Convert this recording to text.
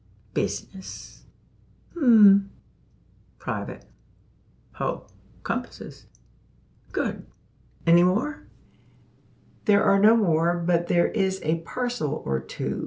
business; hum! private; ho! compasses; good! Any more?" There are no more; but there is a parcel or two.